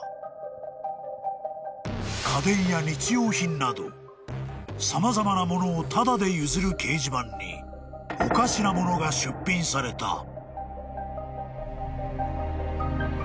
［家電や日用品など様々なものをタダで譲る掲示板におかしなものが出品された］